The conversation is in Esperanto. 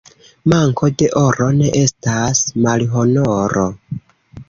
Manko de oro ne estas malhonoro.